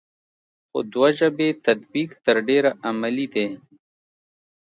خو دوه ژبې تطبیق تر ډېره عملي دی ا